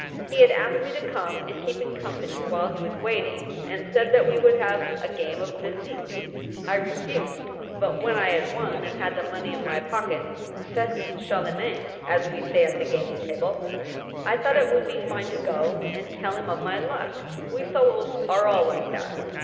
He had asked me to come and keep him company while he was* waiting, and said that we would have a game of bizique, I refused, but when I had won and had the money in my pocket— ;/«// Charlemagne, as we say at the gaming table — I thought it would be fine to go and tell him of my luck. We fellows are all like that